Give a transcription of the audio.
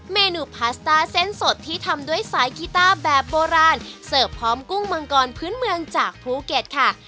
เมนูพาสต้าเส้นสดที่ทำด้วยสายกีต้าแบบโบราณเสิร์ฟพร้อมกุ้งมังกรพื้นเมืองจากภูเก็ตค่ะ